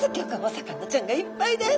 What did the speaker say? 魚ちゃんがいっぱいです。